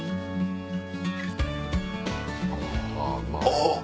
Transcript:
あっ！